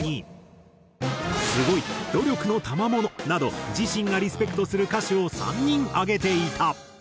「すごい！」「努力の賜物！」など自身がリスペクトする歌手を３人挙げていた。